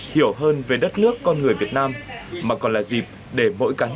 hiểu hơn về đất nước con người việt nam mà còn là dịp để mỗi cán